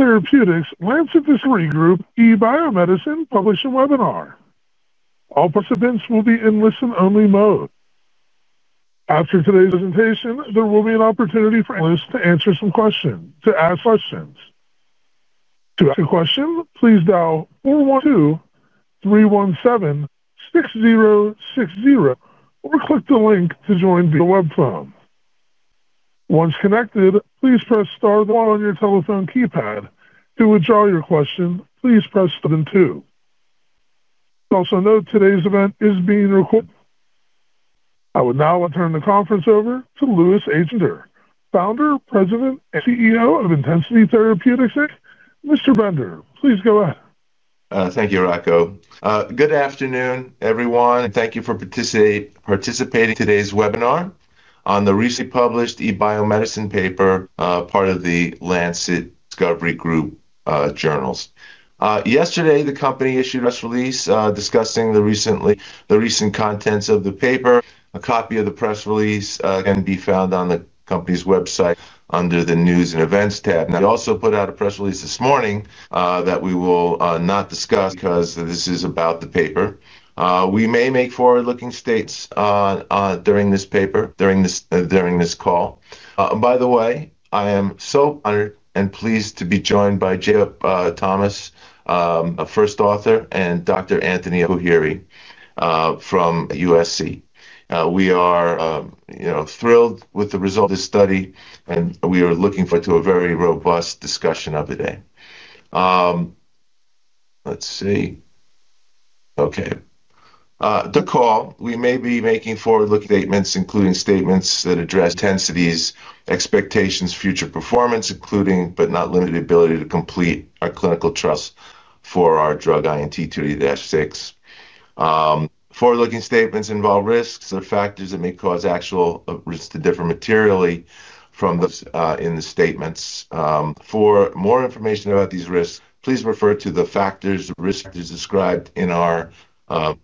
Therapeutics Lancet Discovery Group, eBioMedicine, publishing webinar. All participants will be in listen-only mode. After today's presentation, there will be an opportunity for analysts to ask questions. To ask a question, please dial 412-317-6060 or click the link to join via webphone. Once connected, please press star one on your telephone keypad. To withdraw your question, please press star then two. Also note, today's event is being recorded. I would now like to turn the conference over to Lewis H. Bender, Founder, President, and CEO of Intensity Therapeutics, Inc. Mr. Bender, please go ahead. Thank you, Rocco. Good afternoon, everyone. Thank you for participating in today's webinar on the recently published eBioMedicine paper, part of The Lancet Discovery Group journals. Yesterday, the company issued a press release discussing the recent contents of the paper. A copy of the press release can be found on the company's website under the News and Events tab. They also put out a press release this morning that we will not discuss because this is about the paper. We may make forward-looking statements during this call. By the way, I am so honored and pleased to be joined by Jacob Thomas, a first author, and Dr. Anthony El-Khoueiry from USC. We are thrilled with the result of this study, and we are looking forward to a very robust discussion of it. The call, we may be making forward-looking statements, including statements that address Intensity's expectations, future performance, including, but not limited to, ability to complete our clinical trials for our drug INT230-6. Forward-looking statements involve risks or factors that may cause actual results to differ materially from those in the statements. For more information about these risks, please refer to the factors and risks described in our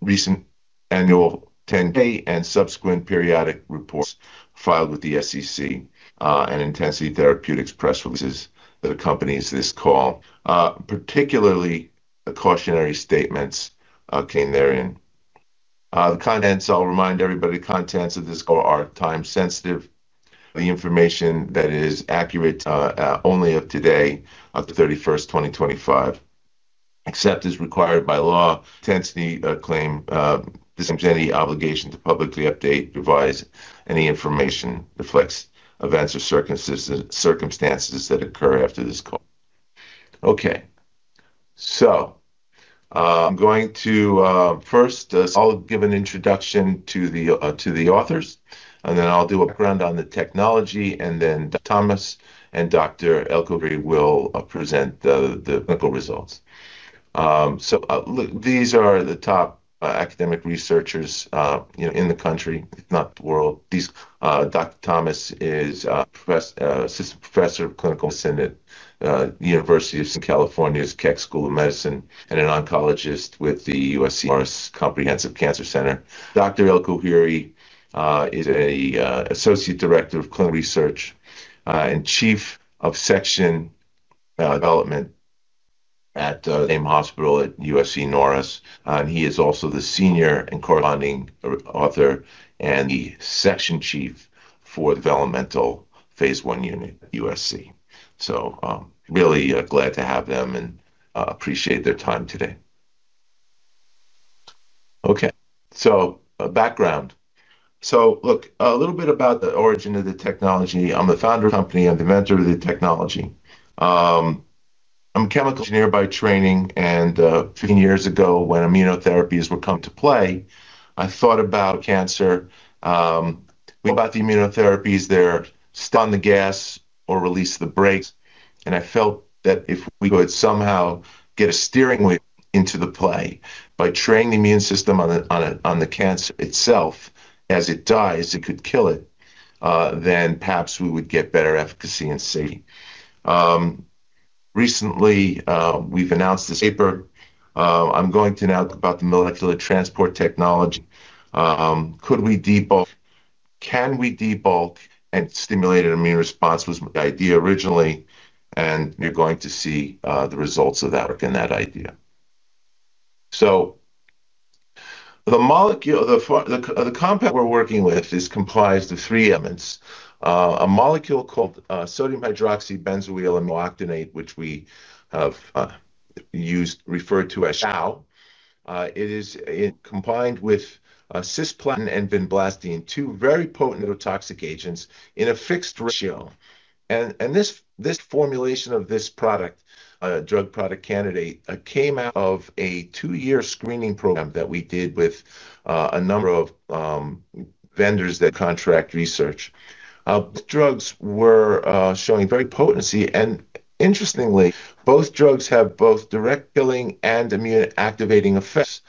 recent annual 10-K and subsequent periodic reports filed with the SEC and Intensity Therapeutics press releases that accompany this call, particularly the cautionary statements contained therein. I'll remind everybody, the contents of this call are time-sensitive. The information is accurate only as of today, the 31st, 2025. Except as required by law, Intensity disclaims any obligation to publicly update or revise any information that reflects events or circumstances that occur after this call. I'm going to first give an introduction to the authors, and then I'll do a background on the technology, and then Dr. Thomas and Dr. El-Khoueiry will present the clinical results. These are the top academic researchers in the country, if not the world. Dr. Thomas is Assistant Professor of Clinical Medicine at the University of Southern California Keck School of Medicine, and an oncologist with the USC Norris Comprehensive Cancer Center. Dr. El-Khoueiry is an Associate Director of Clinical Research and Chief of Section Development at the same hospital at USC Norris. He is also the Senior and Corresponding Author and the Section Chief for the Developmental phase I Unit at USC. Really glad to have them and appreciate their time today. Okay. Background. Look, a little bit about the origin of the technology. I'm the founder of the company. I'm the mentor of the technology. I'm a chemical engineer by training, and 15 years ago, when immunotherapies were coming into play, I thought about cancer. We thought about the immunotherapies. They're stopping the gas or releasing the brakes. I felt that if we could somehow get a steering wheel into the play by training the immune system on the cancer itself as it dies, it could kill it. Perhaps we would get better efficacy and safety. Recently, we've announced this paper. I'm going to now talk about the molecular transport technology. Could we debulk? Can we debulk and stimulate an immune response? It was the idea originally, and you're going to see the results of that work and that idea. The compound we're working with complies with three elements. A molecule called sodium hydroxybenzoyl amino octanoate, which we have referred to as SHAO. It is combined with Cisplatin and vinblastine, two very potent toxic agents in a fixed ratio. This formulation of this drug candidate came out of a two-year screening program that we did with a number of vendors that contract research. Drugs were showing very potency. Interestingly, both drugs have both direct killing and immune-activating effects.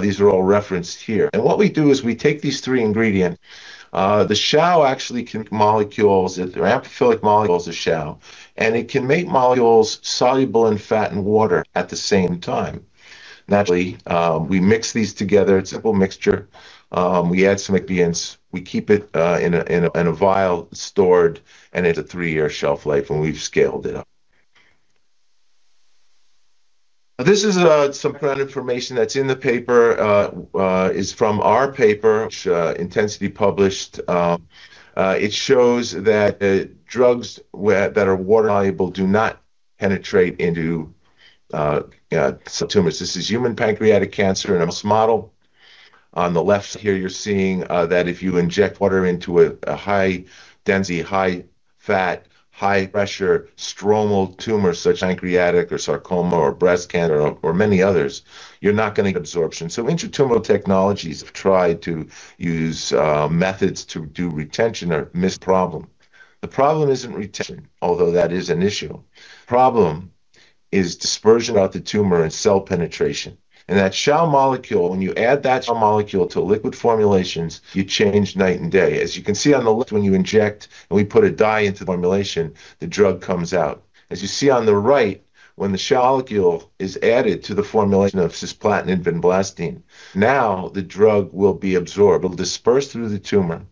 These are all referenced here. What we do is we take these three ingredients. The SHAO actually can make molecules, they're amphiphilic molecules of SHAO, and it can make molecules soluble in fat and water at the same time. Naturally, we mix these together. It's a simple mixture. We add some ingredients. We keep it in a vial stored, and it's a three-year shelf life when we've scaled it up. This is some ground information that's in the paper. It's from our paper, Intensity published. It shows that drugs that are water-soluble do not penetrate into tumors. This is human pancreatic cancer in a mouse model. On the left here, you're seeing that if you inject water into a high-density, high-fat, high-pressure stromal tumor, such as pancreatic or sarcoma or breast cancer or many others, you're not going to get absorption. Intratumoral technologies have tried to use methods to do retention or miss the problem. The problem isn't retention, although that is an issue. The problem is dispersion throughout the tumor and cell penetration. That SHAO molecule, when you add that SHAO molecule to liquid formulations, you change night and day. As you can see on the left, when you inject and we put a dye into the formulation, the drug comes out. As you see on the right, when the SHAO molecule is added to the formulation of Cisplatin and vinblastine, now the drug will be absorbed. It'll disperse through the tumor,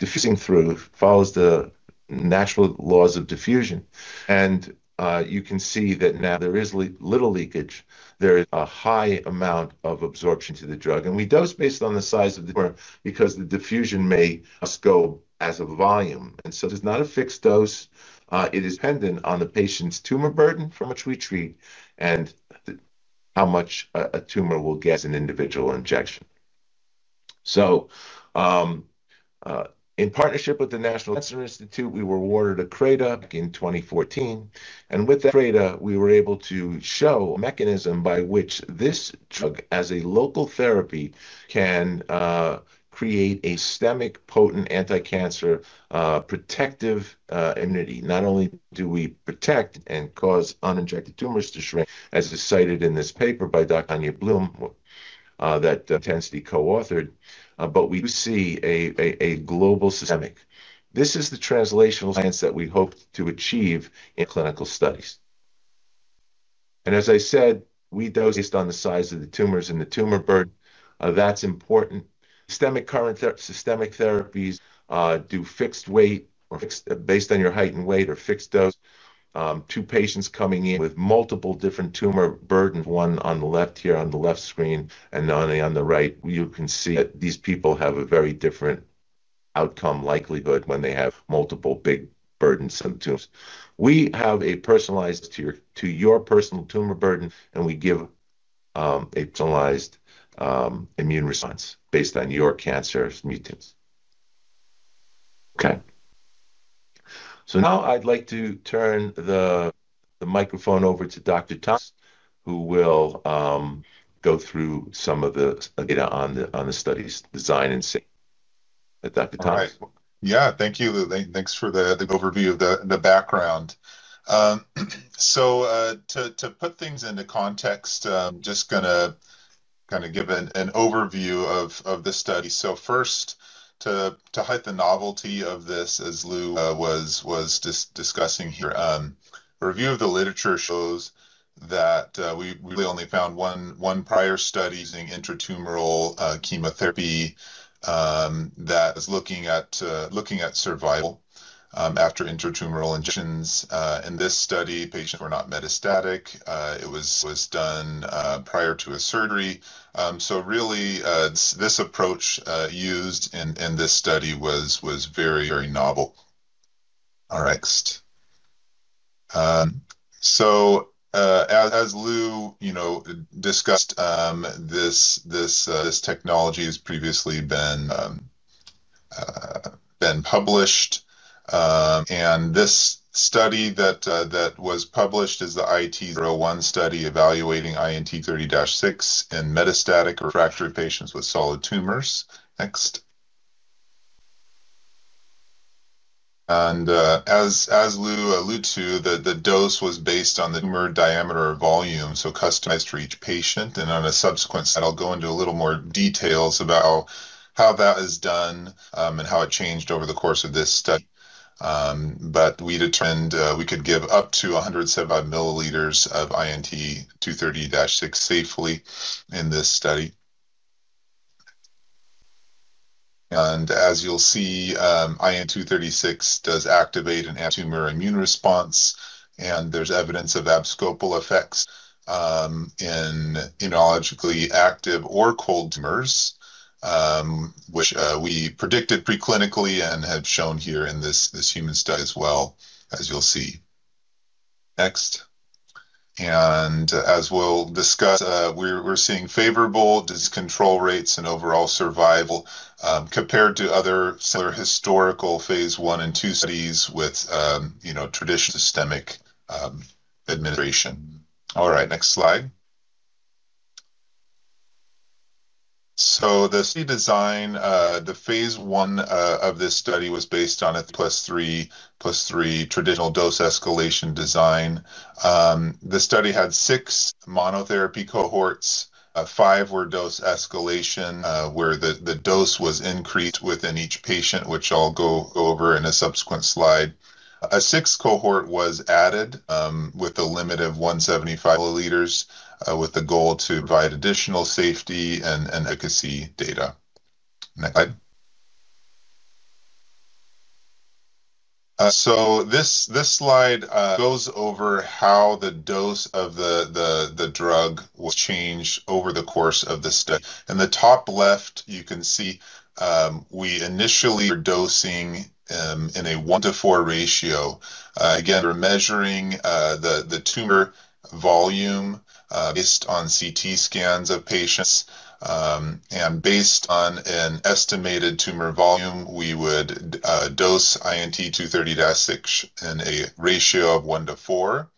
diffusing through, follows the natural laws of diffusion. You can see that now there is little leakage. There is a high amount of absorption to the drug. We dose based on the size of the tumor because the diffusion may scope as a volume, and it's not a fixed dose. It is dependent on the patient's tumor burden from which we treat and how much a tumor will get as an individual injection. In partnership with the National Cancer Institute, we were awarded a CRADA in 2014. With that CRADA, we were able to show a mechanism by which this drug, as a local therapy, can create a systemic potent anti-cancer protective immunity. Not only do we protect and cause uninjected tumors to shrink, as is cited in this paper by Dr. Tanya Bloom that Intensity co-authored, but we do see a global systemic. This is the translational science that we hope to achieve in clinical studies. As I said, we dose based on the size of the tumors and the tumor burden. That's important. Systemic therapies do fixed weight or based on your height and weight or fixed dose. Two patients coming in with multiple different tumor burdens, one on the left here on the left screen and one on the right. You can see that these people have a very different outcome likelihood when they have multiple big burdens of tumors. We have a personalized to your personal tumor burden, and we give a personalized immune response based on your cancer's mutants. Now I'd like to turn the microphone over to Dr. Thomas, who will go through some of the data on the study's design and safety. Dr. Thomas? All right. Thank you. Thanks for the overview of the background. To put things into context, I'm just going to give an overview of the study. First, to highlight the novelty of this, as Lew was discussing here, review of the literature shows that we really only found one prior study using intratumoral chemotherapy. That was looking at survival after intratumoral injections. In this study, patients were not metastatic. It was done prior to a surgery. This approach used in this study was very novel. Next. As Lew discussed, this technology has previously been published. This study that was published is the IT01 study evaluating INT230-6 in metastatic refractory patients with solid tumors. As Lew alluded to, the dose was based on the tumor diameter or volume, so customized for each patient. On a subsequent slide, I'll go into a little more detail about how that is done and how it changed over the course of this study. We determined we could give up to 175 milliliters of INT230-6 safely in this study. As you'll see, INT230-6 does activate an intratumoral immune response, and there's evidence of abscopal effects in immunologically active or cold tumors, which we predicted preclinically and have shown here in this human study as well, as you'll see. As we'll discuss, we're seeing favorable disease control rates and overall survival compared to other similar historical phase I and II studies with traditional systemic administration. Next slide. The study design, the phase I of this study, was based on a +3 +3 traditional dose escalation design. The study had six monotherapy cohorts. Five were dose escalation, where the dose was increased within each patient, which I'll go over in a subsequent slide. A sixth cohort was added with a limit of 175 milliliters, with the goal to provide additional safety and efficacy data. Next slide. This slide goes over how the dose of the drug was changed over the course of the study. In the top left, you can see we initially were dosing in a one-to-four ratio. We're measuring the tumor volume based on CT scans of patients. Based on an estimated tumor volume, we would dose INT230-6 in a ratio of one to four.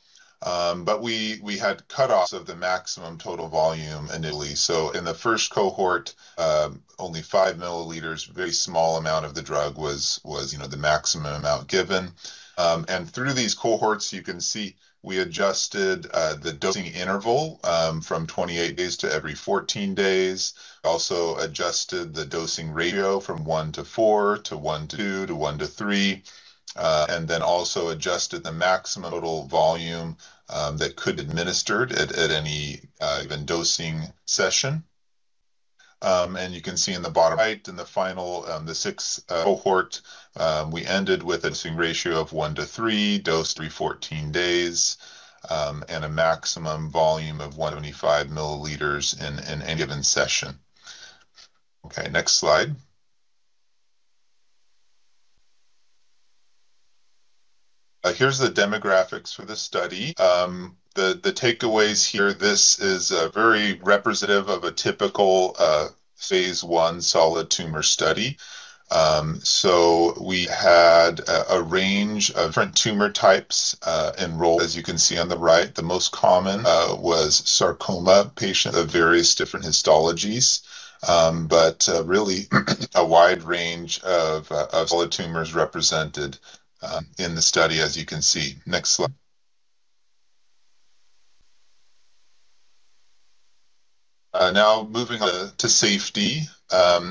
We had cutoffs of the maximum total volume initially. In the first cohort, only 5 milliliters, a very small amount of the drug, was the maximum amount given. Through these cohorts, you can see we adjusted the dosing interval from 28 days to every 14 days. We also adjusted the dosing ratio from one to four to one to two to one to three. We also adjusted the maximum total volume that could be administered at any dosing session. You can see in the bottom right, in the final sixth cohort, we ended with a dosing ratio of one to three, dosed every 14 days, and a maximum volume of 175 milliliters in any given session. Next slide. Here's the demographics for the study. The takeaways here, this is very representative of a typical phase I solid tumor study. We had a range of different tumor types enrolled. As you can see on the right, the most common was sarcoma patients of various different histologies, but really, a wide range of solid tumors represented in the study, as you can see. Next slide. Now moving on to safety. The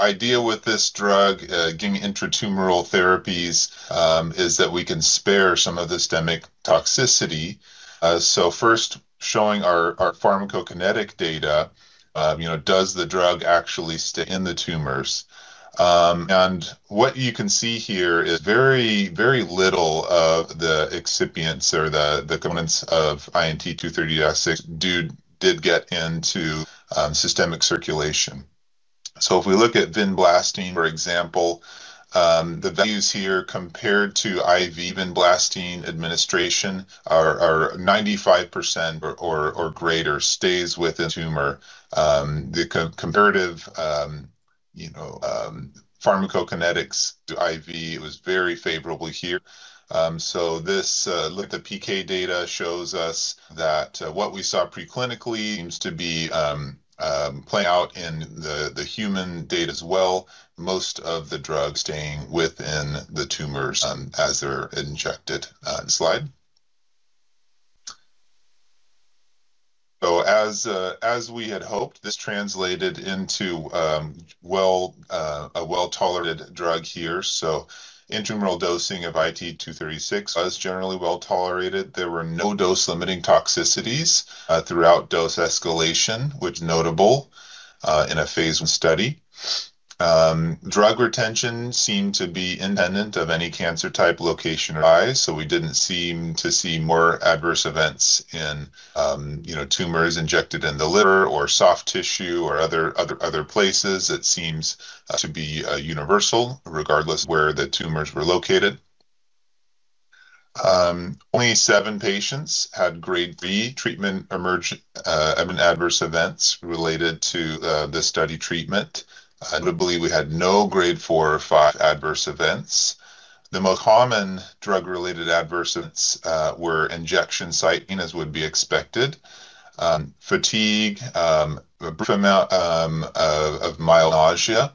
idea with this drug, giving intratumoral therapies, is that we can spare some of the systemic toxicity. First, showing our pharmacokinetic data, does the drug actually stay in the tumors? What you can see here is very little of the excipients or the components of INT230-6 did get into systemic circulation. If we look at vinblastine, for example, the values here compared to IV vinblastine administration are 95% or greater, stays within the tumor. The comparative pharmacokinetics to IV was very favorable here. This look at the PK data shows us that what we saw preclinically seems to be playing out in the human data as well. Most of the drug staying within the tumors as they're injected. Next slide. As we had hoped, this translated into a well-tolerated drug here. Intratumoral dosing of INT230-6 was generally well tolerated. There were no dose-limiting toxicities throughout dose escalation, which is notable in a phase I study. Drug retention seemed to be independent of any cancer type, location, or size. We didn't seem to see more adverse events in tumors injected in the liver or soft tissue or other places. It seems to be universal regardless of where the tumors were located. Only seven patients had grade B treatment adverse events related to the study treatment. Notably, we had no grade four or five adverse events. The most common drug-related adverse events were injection site pain, as would be expected, fatigue, and a brief amount of mild nausea.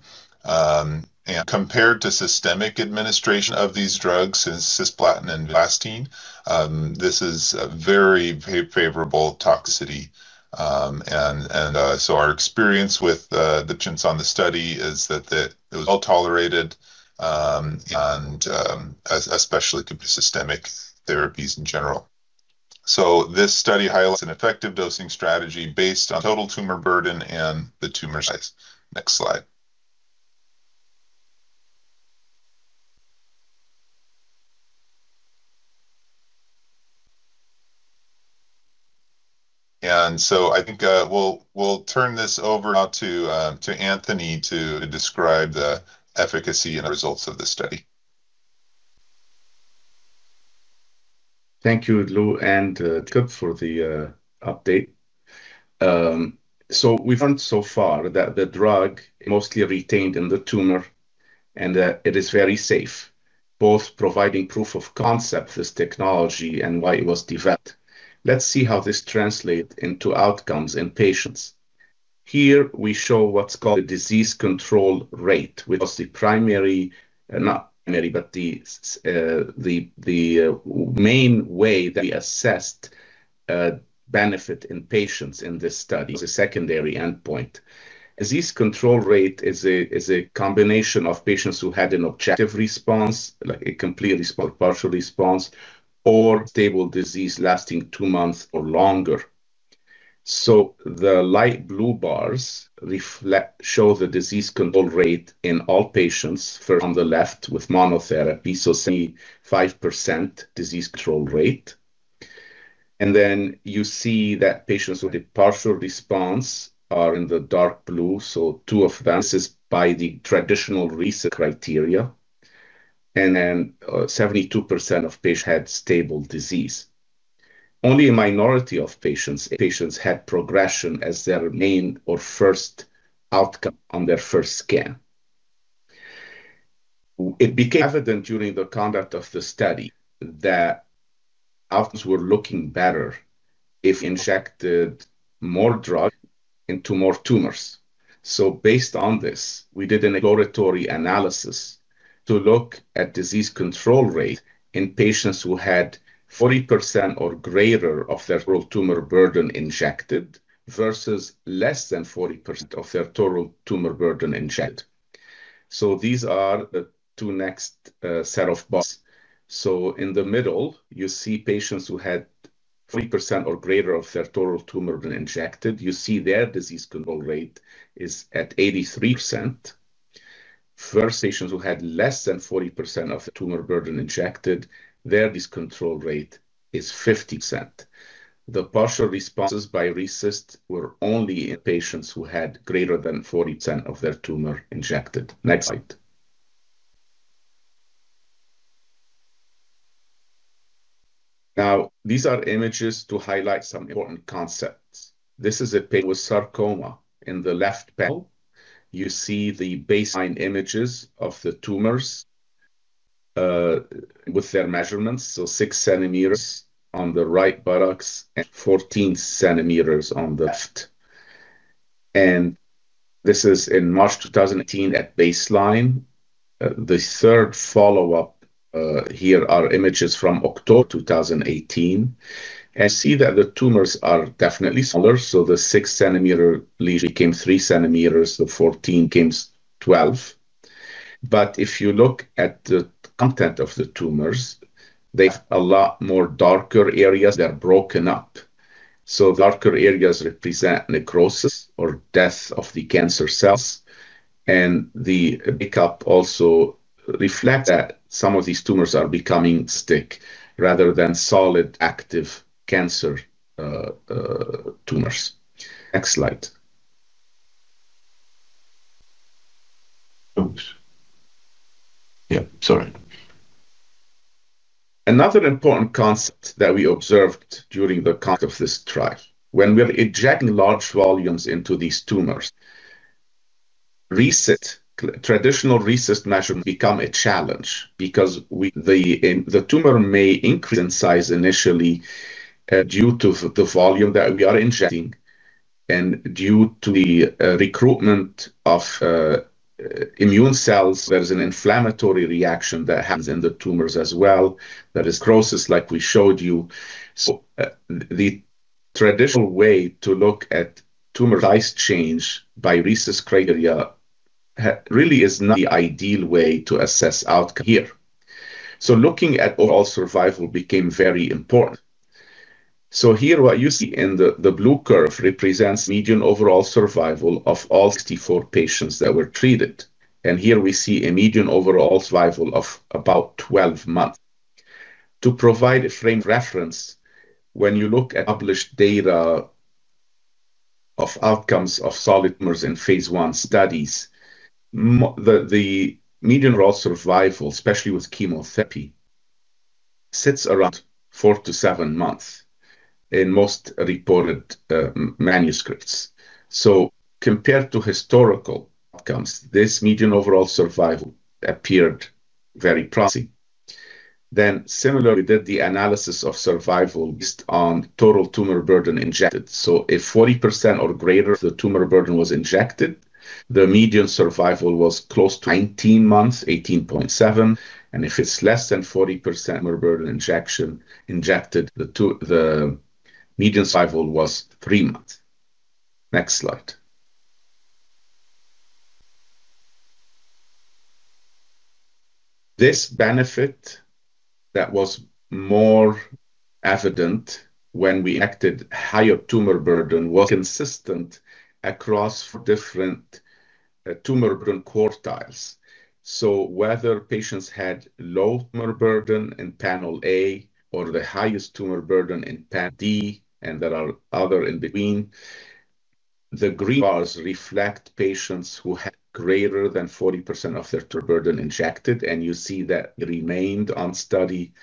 Compared to systemic administration of these drugs, since Cisplatin and vinblastine, this is a very favorable toxicity. Our experience with the patients on the study is that it was well tolerated, especially compared to systemic therapies in general. This study highlights an effective dosing strategy based on total tumor burden and the tumor size. Next slide. I think we'll turn this over now to Anthony to describe the efficacy and results of the study. Thank you, Lew and Jacob, for the update. We've learned so far that the drug is mostly retained in the tumor and that it is very safe, both providing proof of concept for this technology and why it was developed. Let's see how this translates into outcomes in patients. Here, we show what's called the disease control rate, which was the main way that we assessed benefit in patients in this study. It was a secondary endpoint. Disease control rate is a combination of patients who had an objective response, like a complete response or partial response, or stable disease lasting two months or longer. The light blue bars show the disease control rate in all patients, first on the left with monotherapy, so 75% disease control rate. You see that patients with a partial response are in the dark blue, so two of them. This is by the traditional research criteria. Then 72% of patients had stable disease. Only a minority of patients had progression as their main or first outcome on their first scan. It became evident during the conduct of the study that outcomes were looking better if we injected more drug into more tumors. Based on this, we did an exploratory analysis to look at disease control rate in patients who had 40% or greater of their total tumor burden injected versus less than 40% of their total tumor burden injected. These are the two next set of boxes. In the middle, you see patients who had 40% or greater of their total tumor burden injected. You see their disease control rate is at 83%. Patients who had less than 40% of tumor burden injected, their disease control rate is 50%. The partial responses by researchers were only in patients who had greater than 40% of their tumor injected. Next slide. Now, these are images to highlight some important concepts. This is a patient with sarcoma. In the left panel, you see the baseline images of the tumors with their measurements, so 6 centimeters on the right buttocks and 14 centimeters on the left. This is in March 2018 at baseline. The third follow-up. Here are images from October 2018. You see that the tumors are definitely smaller. The six centimeter lesion became three centimeters, the 14 became 12. If you look at the content of the tumors, they have a lot more darker areas that are broken up. Darker areas represent necrosis or death of the cancer cells. The makeup also reflects that some of these tumors are becoming stick rather than solid active cancer tumors. Next slide. Oops. Yeah, sorry. Another important concept that we observed during the conduct of this trial, when we're injecting large volumes into these tumors, traditional RECIST measurements become a challenge because the tumor may increase in size initially due to the volume that we are injecting and due to the recruitment of immune cells. There's an inflammatory reaction that happens in the tumors as well. That is necrosis, like we showed you. The traditional way to look at tumor size change by RECIST criteria really is not the ideal way to assess outcome here. Looking at overall survival became very important. Here, what you see in the blue curve represents median overall survival of all 64 patients that were treated, and here we see a median overall survival of about 12 months. To provide a frame of reference, when you look at published data of outcomes of solid tumors in phase I studies, the median overall survival, especially with chemotherapy, sits around four to seven months in most reported manuscripts. Compared to historical outcomes, this median overall survival appeared very promising. Similarly, we did the analysis of survival based on total tumor burden injected. If 40% or greater of the tumor burden was injected, the median survival was close to 19 months, 18.7. If it's less than 40% tumor burden injected, the median survival was three months. Next slide. This benefit that was more evident when we injected higher tumor burden was consistent across four different tumor burden quartiles. Whether patients had low tumor burden in panel A or the highest tumor burden in panel D, and there are other in between, the green bars reflect patients who had greater than 40% of their tumor burden injected. You see that remained on study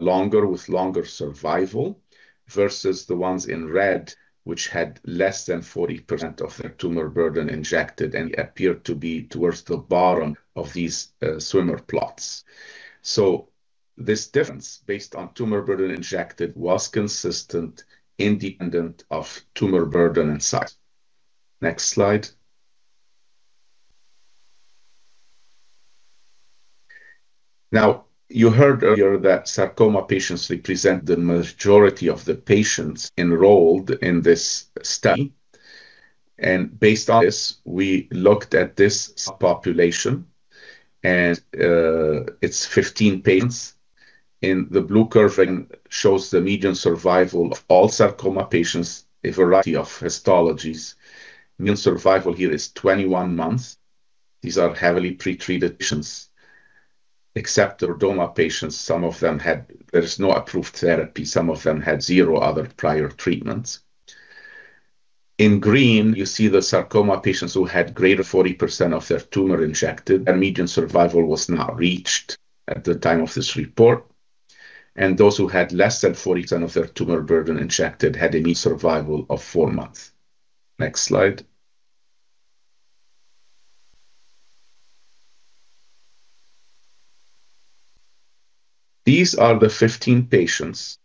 longer with longer survival versus the ones in red, which had less than 40% of their tumor burden injected and appeared to be towards the bottom of these swimmer plots. This difference based on tumor burden injected was consistent independent of tumor burden and size. Next slide. You heard earlier that sarcoma patients represent the majority of the patients enrolled in this study. Based on this, we looked at this population. It's 15 patients, and the blue curve shows the median survival of all sarcoma patients, a variety of histologies. Median survival here is 21 months. These are heavily pretreated patients. Except for derma patients, some of them had, there is no approved therapy. Some of them had zero other prior treatments. In green, you see the sarcoma patients who had greater than 40% of their tumor injected, their median survival was not reached at the time of this report. Those who had less than 40% of their tumor burden injected had a median survival of four months. Next slide. These are the 15 patients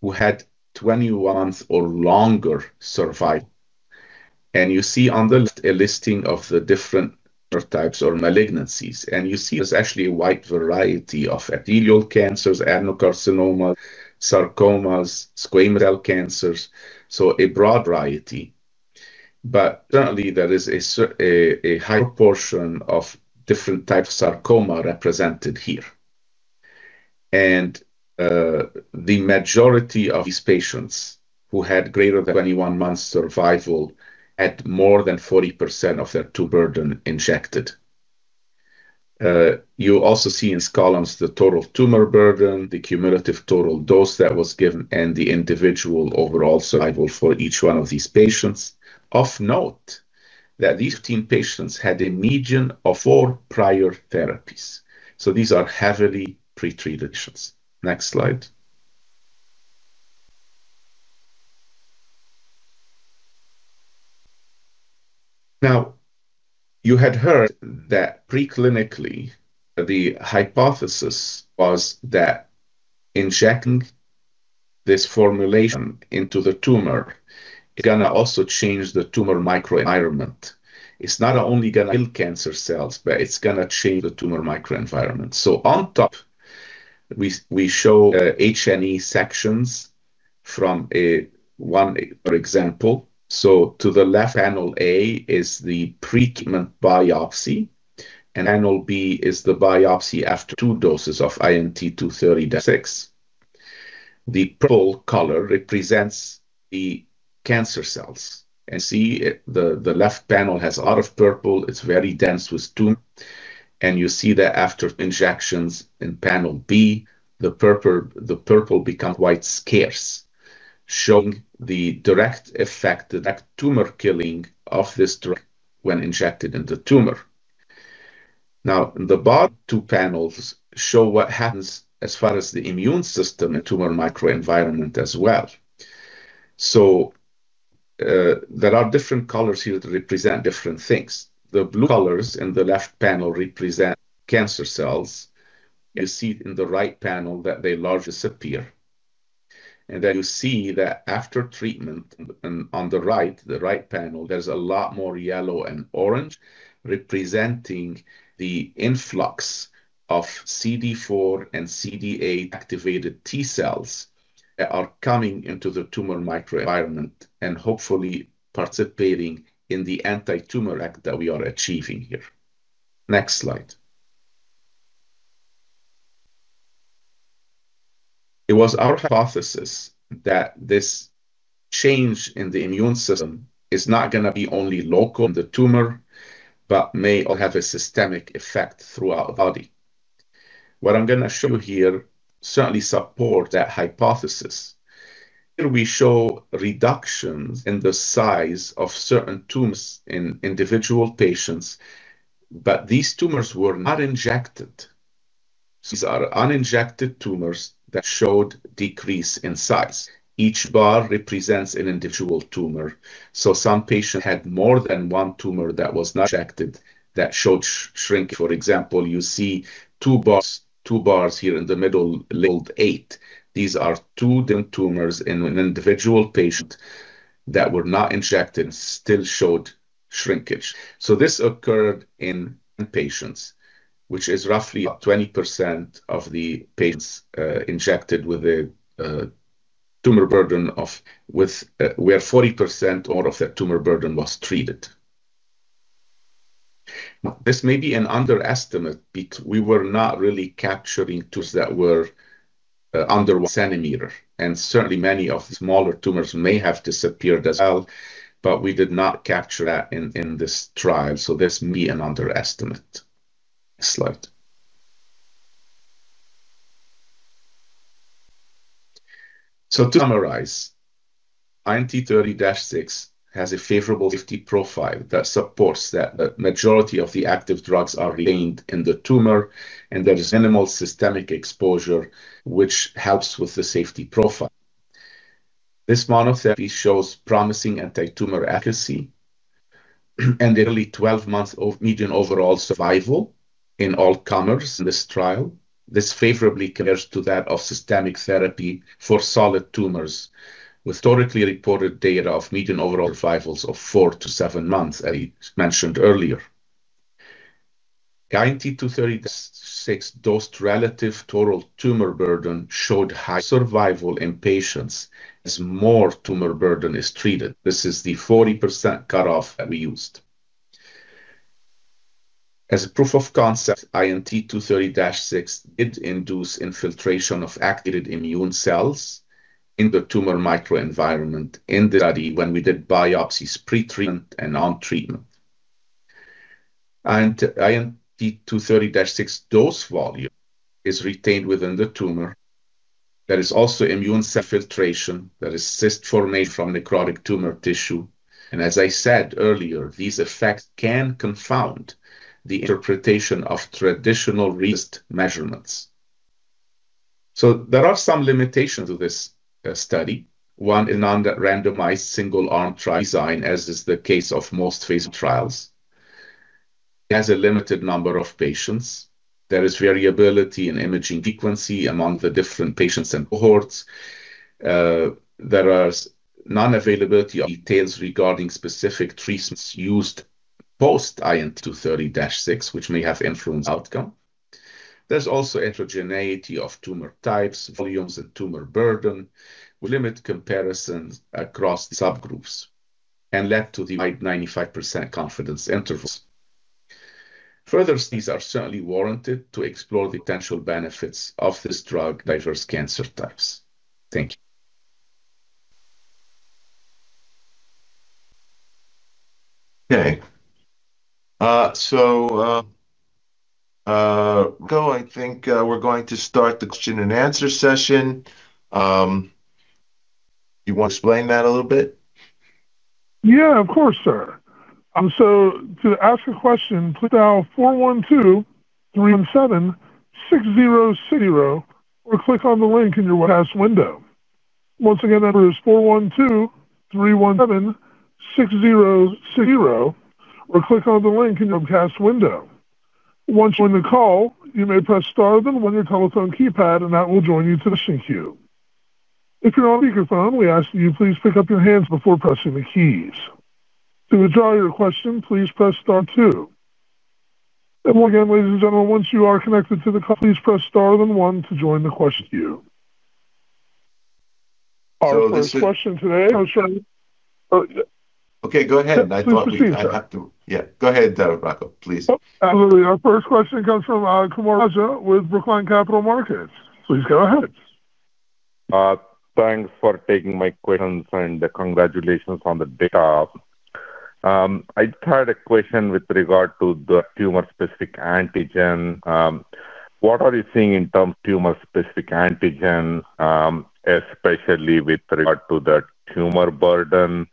who had 21 months or longer survival. You see on the list a listing of the different tumor types or malignancies. You see there's actually a wide variety of epithelial cancers, adenocarcinomas, sarcomas, squamous cell cancers, so a broad variety. There is a high proportion of different types of sarcoma represented here. The majority of these patients who had greater than 21 months survival had more than 40% of their tumor burden injected. You also see in these columns the total tumor burden, the cumulative total dose that was given, and the individual overall survival for each one of these patients. Of note, these 15 patients had a median of four prior therapies. These are heavily pretreated patients. Next slide. You had heard that preclinically, the hypothesis was that injecting this formulation into the tumor is going to also change the tumor microenvironment. It's not only going to kill cancer cells, but it's going to change the tumor microenvironment. On top, we show H&E sections from one, for example. To the left, panel A is the pretreatment biopsy. Panel B is the biopsy after two doses of INT230-6. The purple color represents the cancer cells. You see the left panel has a lot of purple. It's very dense with tumor. You see that after injections in panel B, the purple becomes quite scarce, showing the direct effect, the direct tumor killing of this drug when injected into the tumor. The bottom two panels show what happens as far as the immune system and tumor microenvironment as well. There are different colors here that represent different things. The blue colors in the left panel represent cancer cells. You see in the right panel that they largely disappear. You see that after treatment, on the right, the right panel, there's a lot more yellow and orange representing the influx of CD4 and CD8 activated T cells that are coming into the tumor microenvironment and hopefully participating in the anti-tumor act that we are achieving here. Next slide. It was our hypothesis that this change in the immune system is not going to be only local in the tumor, but may also have a systemic effect throughout the body. What I'm going to show you here certainly supports that hypothesis. Here we show reductions in the size of certain tumors in individual patients, but these tumors were not injected. These are uninjected tumors that showed decrease in size. Each bar represents an individual tumor. Some patients had more than one tumor that was not injected that showed shrinkage. For example, you see two bars here in the middle, labeled eight. These are two different tumors in an individual patient that were not injected and still showed shrinkage. This occurred in 10 patients, which is roughly 20% of the patients injected with a tumor burden of where 40% or more of their tumor burden was treated. This may be an underestimate because we were not really capturing tumors that were under one centimeter. Certainly, many of the smaller tumors may have disappeared as well, but we did not capture that in this trial. This may be an underestimate. Next slide. To summarize, INT230-6 has a favorable safety profile that supports that the majority of the active drugs are retained in the tumor, and there is minimal systemic exposure, which helps with the safety profile. This monotherapy shows promising anti-tumor efficacy and nearly 12 months of median overall survival in all comers in this trial. This favorably compares to that of systemic therapy for solid tumors with historically reported data of median overall survivals of four to seven months, as we mentioned earlier. INT230-6 dosed relative total tumor burden showed high survival in patients as more tumor burden is treated. This is the 40% cutoff that we used. As a proof of concept, INT230-6 did induce infiltration of activated immune cells in the tumor microenvironment in the study when we did biopsies pretreatment and on treatment. INT230-6 dose volume is retained within the tumor. There is also immune cell infiltration. There is cyst formation from necrotic tumor tissue. As I said earlier, these effects can confound the interpretation of traditional resist measurements. There are some limitations to this study. One, it's not a randomized single-arm trial design, as is the case of most phase I trials. It has a limited number of patients. There is variability in imaging frequency among the different patients and cohorts. There is non-availability of details regarding specific treatments used post INT230-6, which may have influenced outcome. There's also heterogeneity of tumor types, volumes, and tumor burden, which limits comparisons across subgroups and led to the wide 95% confidence intervals. Further studies are certainly warranted to explore the potential benefits of this drug in diverse cancer types. Thank you. Okay. Rocco, I think we're going to start the question and answer session. You want to explain that a little bit? Yeah, of course, sir. To ask a question, put down 412-317-6060 or click on the link in your webcast window. Once again, the number is 412-317-6060 or click on the link in your webcast window. Once you're on the call, you may press star then one on your telephone keypad, and that will join you to the screen queue. If you're on a speakerphone, we ask that you please pick up your handset before pressing the keys. To withdraw your question, please press star two. Once again, ladies and gentlemen, once you are connected to the call, please press star then one to join the question queue. Our first question today comes from Okay, go ahead. I thought we had to, yeah, go ahead, Rocco, please. Absolutely. Our first question comes from Kumaraguru Raja with Brookline Capital Markets. Please go ahead. Thanks for taking my questions and congratulations on the data. I just had a question with regard to the tumor-specific antigen. What are you seeing in terms of tumor-specific antigen, especially with regard to the tumor burden,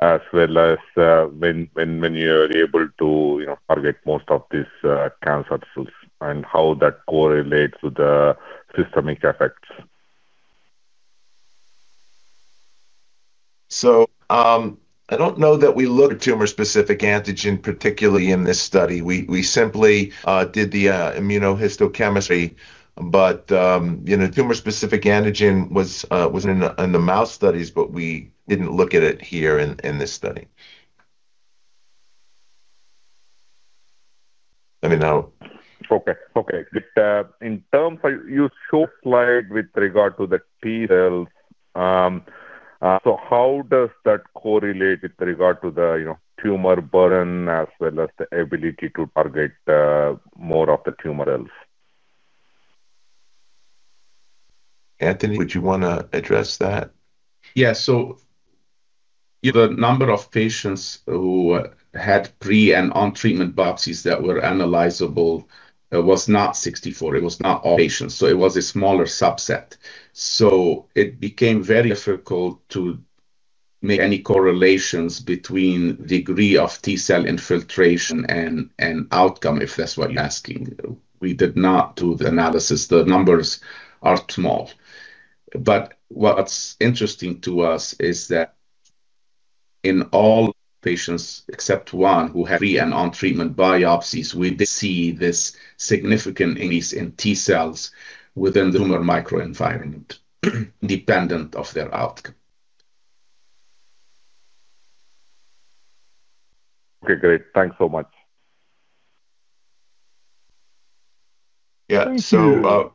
as well as when you are able to target most of these cancer cells, and how that correlates with the systemic effects? I don't know that we looked at tumor-specific antigen, particularly in this study. We simply did the immunohistochemistry. Tumor-specific antigen was in the mouse studies, but we didn't look at it here in this study. Let me know. Okay. In terms of your short slide with regard to the T cells, how does that correlate with regard to the tumor burden as well as the ability to target more of the tumor cells? Anthony, would you want to address that? Yeah. The number of patients who had pre and on-treatment biopsies that were analyzable was not 64. It was not all patients. It was a smaller subset. It became very difficult to make any correlations between the degree of T cell infiltration and outcome, if that's what you're asking. We did not do the analysis. The numbers are small. What's interesting to us is that in all patients except one who had pre and on-treatment biopsies, we did see this significant increase in T cells within the tumor microenvironment, independent of their outcome. Okay, great. Thanks so much. Yeah, so—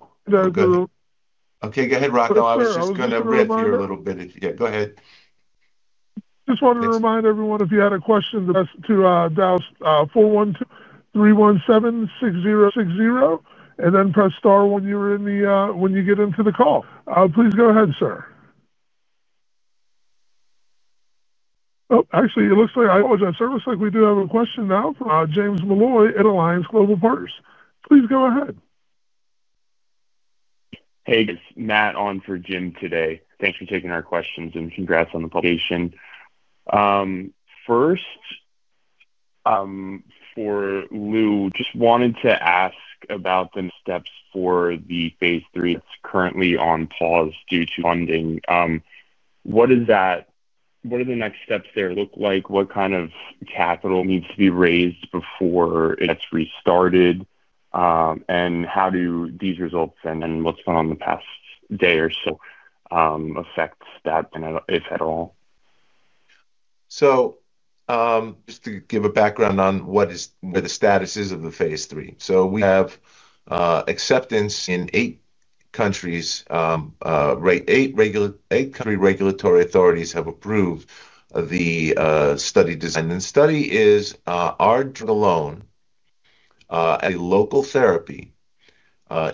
Okay, go ahead, Rocco. I was just going to read here a little bit. Go ahead. Just wanted to remind everyone, if you had a question, to dial 412-317-6060 and then press star when you get into the call. Please go ahead, sir. Actually, it looks like I apologize. It looks like we do have a question now from James Molloy at Alliance Global Partners. Please go ahead. Hey, it's Matt on for Jim today. Thanks for taking our questions and congrats on the publication. First, for Lew, just wanted to ask about the next steps for the phase III that's currently on pause due to funding. What are the next steps there look like? What kind of capital needs to be raised before it gets restarted? How do these results and what's gone on the past day or so affect that, if at all? Just to give a background on what the status is of the phase III. We have acceptance in eight countries. Eight regulatory authorities have approved the study design. The study is our drug alone, a local therapy,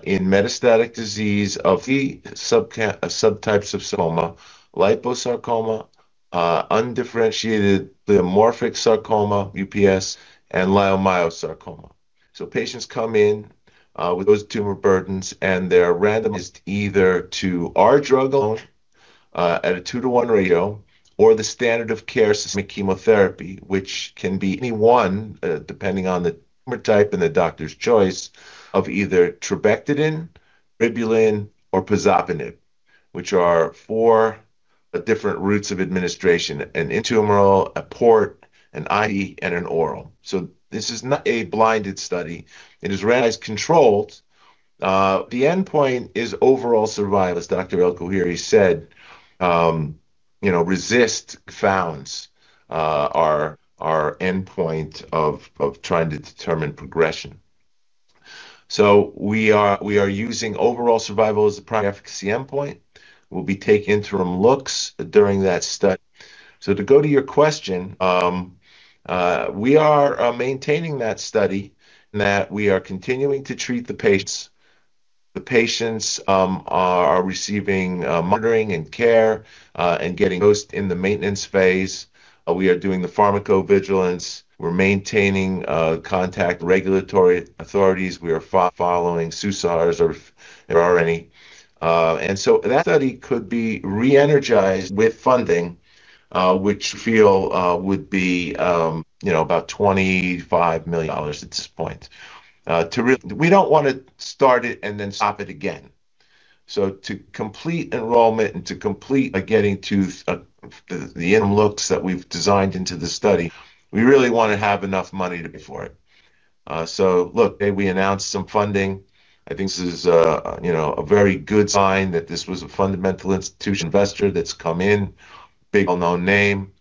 in metastatic disease of three subtypes of sarcoma: liposarcoma, undifferentiated pleomorphic sarcoma (UPS), and leiomyosarcoma. Patients come in with those tumor burdens, and they're randomized either to our drug alone at a two-to-one ratio, or the standard of care systemic chemotherapy, which can be any one depending on the tumor type and the doctor's choice of either trabectedin, eribulin, or pazopanib, which are four different routes of administration: an intramuscular, a port, an IV, and an oral. This is not a blinded study. It is randomized controlled. The endpoint is overall survival, as Dr. El-Khoueiry said. RECIST confounds our endpoint of trying to determine progression, so we are using overall survival as the primary efficacy endpoint. We'll be taking interim looks during that study. To go to your question, we are maintaining that study in that we are continuing to treat the patients. The patients are receiving monitoring and care and getting dosed in the maintenance phase. We are doing the pharmacovigilance. We're maintaining contact with regulatory authorities. We are following suicides or if there are any. That study could be re-energized with funding, which we feel would be about $25 million at this point. We don't want to start it and then stop it again. To complete enrollment and to complete getting to the interim looks that we've designed into the study, we really want to have enough money to pay for it. Today we announced some funding. I think this is a very good sign that this was a fundamental institution investor that's come in, big well-known name.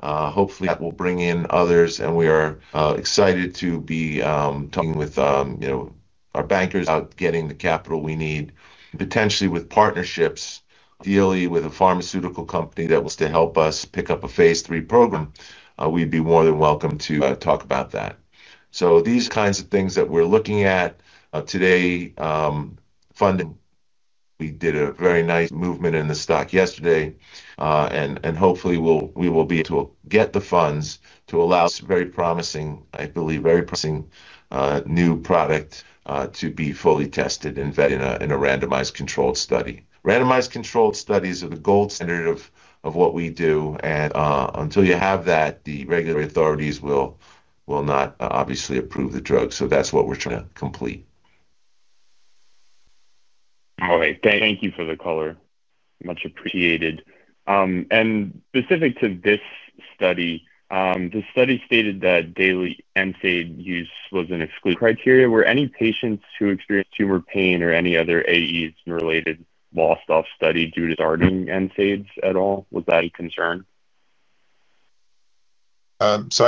Hopefully, that will bring in others, and we are excited to be talking with our bankers about getting the capital we need, potentially with partnerships, ideally with a pharmaceutical company that wants to help us pick up a phase III program. We'd be more than welcome to talk about that. These kinds of things that we're looking at today: funding. We did a very nice movement in the stock yesterday, and hopefully, we will be able to get the funds to allow this very promising, I believe, very promising new product to be fully tested and vetted in a randomized controlled study. Randomized controlled studies are the gold standard of what we do, and until you have that, the regulatory authorities will not obviously approve the drug. That's what we're trying to complete. All right. Thank you for the color, much appreciated. Specific to this study, the study stated that daily NSAID use was an exclusion criteria. Were any patients who experienced tumor pain or any other AEs related lost off study due to starting NSAIDs at all? Was that a concern? I can answer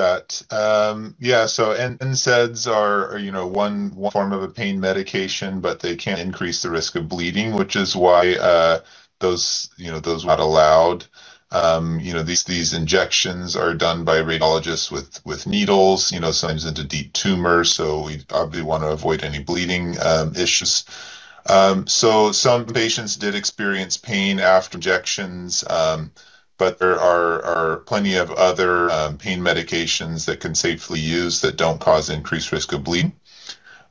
that. NSAIDs are one form of a pain medication, but they can increase the risk of bleeding, which is why those were not allowed. These injections are done by radiologists with needles, sometimes into deep tumors. We obviously want to avoid any bleeding issues. Some patients did experience pain after injections, but there are plenty of other pain medications that can safely be used that don't cause increased risk of bleeding.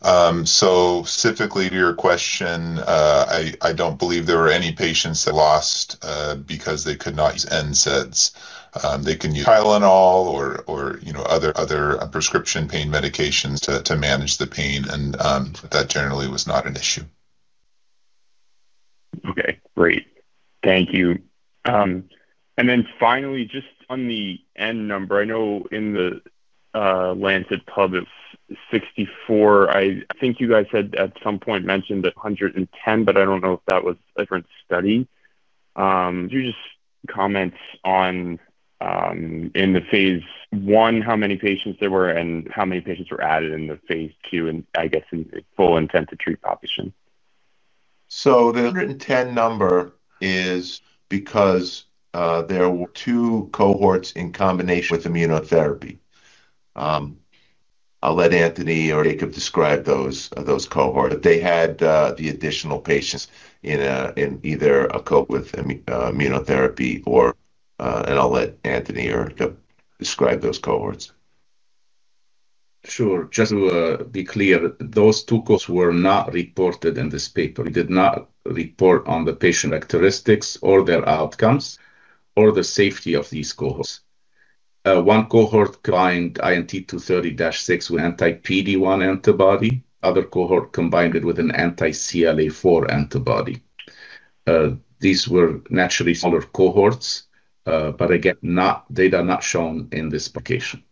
Specifically to your question, I don't believe there were any patients that lost because they could not use NSAIDs. They can use Tylenol or other prescription pain medications to manage the pain, and that generally was not an issue. Okay, great. Thank you. Finally, just on the end number, I know in the Lancet pub of 64, I think you guys had at some point mentioned 110, but I don't know if that was a different study. Could you just comment on, in the phase I, how many patients there were and how many patients were added in the phase II, and I guess in full intent to treat population? The 110 number is because there were two cohorts in combination with immunotherapy. I'll let Anthony or Jacob describe those cohorts. They had the additional patients in either a cohort with immunotherapy, and I'll let Anthony or Jacob describe those cohorts. Sure. Just to be clear, those two cohorts were not reported in this paper. We did not report on the patient characteristics or their outcomes or the safety of these cohorts. One cohort combined INT230-6 with anti-PD-1 antibody. The other cohort combined it with an anti-CTLA4 antibody. These were naturally smaller cohorts, but again, they are not shown in this publication.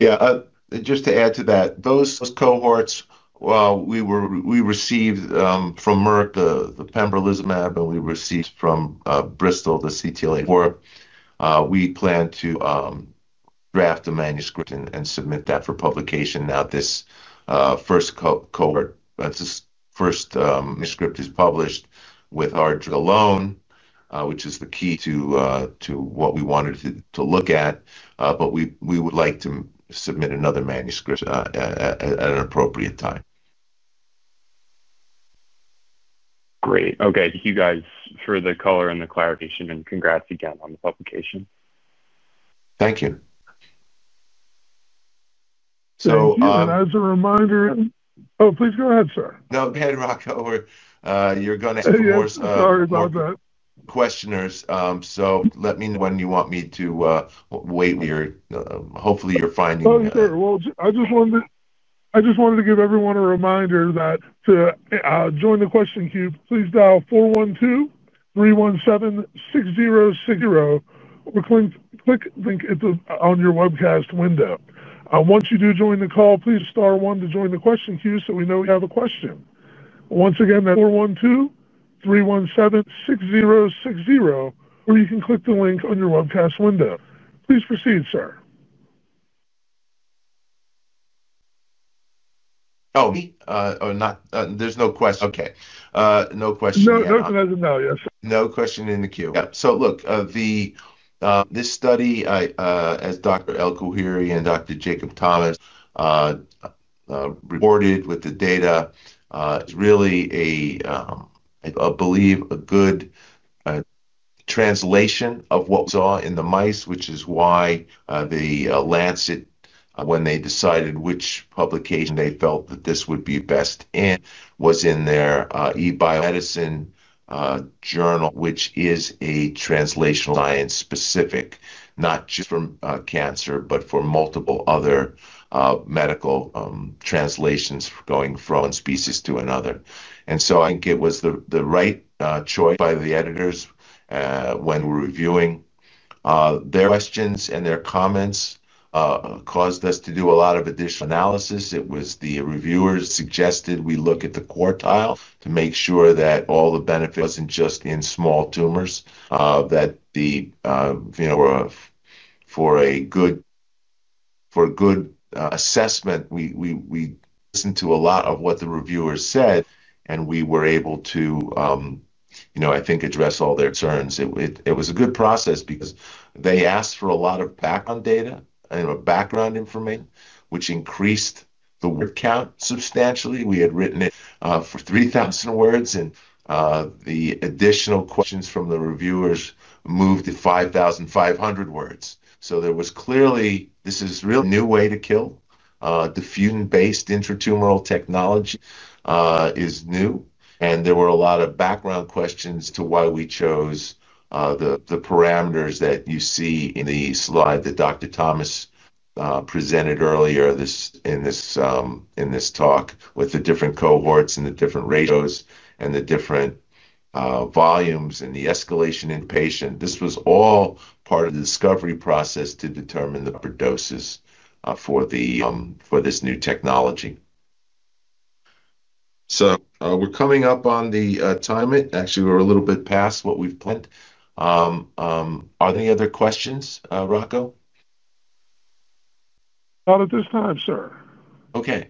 Yeah, just to add to that, those cohorts, we received from Merck the pembrolizumab, and we received from Bristol the CTLA4. We plan to draft a manuscript and submit that for publication. Now, this first cohort, this first manuscript is published with our drug alone, which is the key to what we wanted to look at. We would like to submit another manuscript at an appropriate time. Great. Okay. Thank you guys for the color and the clarification, and congrats again on the publication. Thank you. As a reminder, please go ahead, sir. No, go ahead, Rocco. You're going to have a course of. Sorry about that. Let me know when you want me to wait. Hopefully, you're finding that. Okay. I just wanted to give everyone a reminder that to join the question queue, please dial 412-317-6060 or click the link on your webcast window. Once you do join the call, please star one to join the question queue so we know we have a question. Once again, that's 412-317-6060, or you can click the link on your webcast window. Please proceed, sir. There's no question. No question. No, nothing as of now. Yes. No question in the queue. Yeah. This study, as Dr. Anthony El-Khoueiry and Dr. Jacob Thomas reported with the data, is really, I believe, a good translation of what we saw in the mice, which is why The Lancet, when they decided which publication they felt that this would be best in, was in their eBioMedicine journal, which is a translational science specific, not just for cancer, but for multiple other medical translations going from one species to another. I think it was the right choice by the editors when we were reviewing. Their questions and their comments caused us to do a lot of additional analysis. The reviewers suggested we look at the quartile to make sure that all the benefit wasn't just in small tumors, that for a good assessment, we listened to a lot of what the reviewers said, and we were able to, I think, address all their concerns. It was a good process because they asked for a lot of background data, background information, which increased the word count substantially. We had written it for 3,000 words, and the additional questions from the reviewers moved to 5,500 words. There was clearly, this is a real new way to kill. DfuseRx-based intratumoral technology is new. There were a lot of background questions as to why we chose the parameters that you see in the slide that Dr. Thomas presented earlier in this talk with the different cohorts and the different ratios and the different volumes and the escalation in patient. This was all part of the discovery process to determine the upper doses for this new technology. We're coming up on the time it. Actually, we're a little bit past what we've planned. Are there any other questions, Rocco? Not at this time, sir. Okay.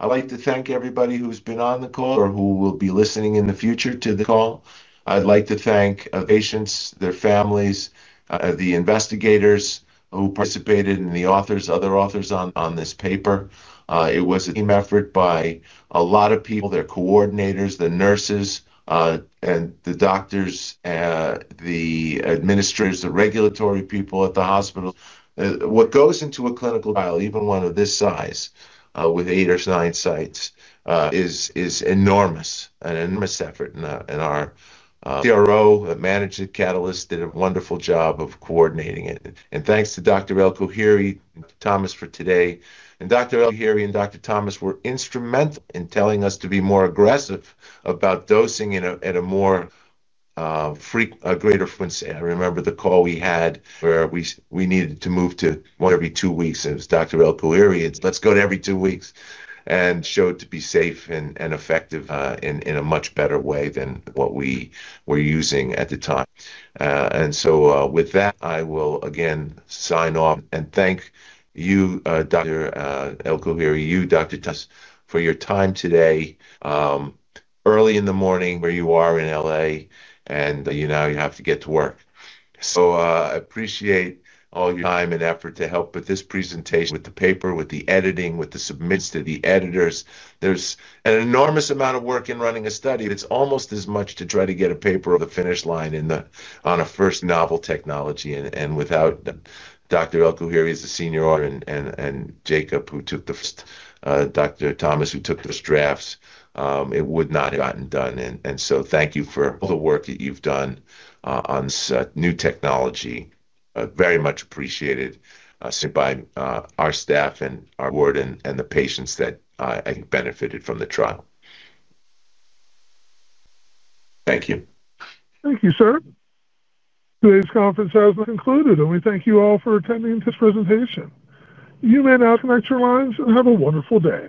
I'd like to thank everybody who's been on the call or who will be listening in the future to the call. I'd like to thank the patients, their families, the investigators who participated, and the other authors on this paper. It was a team effort by a lot of people, their coordinators, the nurses, the doctors, the administrators, the regulatory people at the hospital. What goes into a clinical trial, even one of this size with eight or nine sites, is enormous, an enormous effort. Our CRO, the management catalyst, did a wonderful job of coordinating it. Thanks to Dr. El-Khoueiry and Dr. Thomas for today. Dr. El-Khoueiry and Dr. Thomas were instrumental in telling us to be more aggressive about dosing at a greater frequency. I remember the call we had where we needed to move to one every two weeks. It was Dr. El-Khoueiry, let's go to every two weeks and show it to be safe and effective in a much better way than what we were using at the time. With that, I will again sign off and thank you, Dr. El-Khoueiry, you, Dr. Thomas, for your time today. Early in the morning where you are in LA, and now you have to get to work. I appreciate all your time and effort to help with this presentation, with the paper, with the editing, with the submits to the editors. There's an enormous amount of work in running a study. It's almost as much to try to get a paper to the finish line on a first novel technology. Without Dr. El-Khoueiry as a senior author and Jacob, who took the first—Dr. Thomas, who took those drafts, it would not have gotten done. Thank you for all the work that you've done on this new technology. Very much appreciated by our staff and our board and the patients that I think benefited from the trial. Thank you. Thank you, sir. Today's conference has concluded, and we thank you all for attending this presentation. You may now disconnect your lines and have a wonderful day.